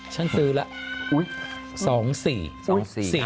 ฉันซื้อแล้ว